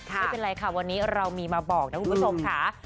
ไม่เป็นไรค่ะวันนี้เรามีมาบอกนะคุณผู้ชมค่ะ